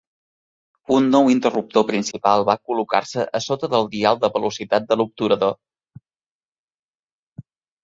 Un nou interruptor principal va col·locar-se a sota del dial de velocitat de l'obturador.